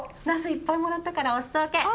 ナスいっぱいもらったからお裾分け。